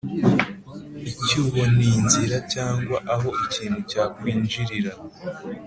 icyuho ni inzira cyangwa aho ikintu cyakwinjirira.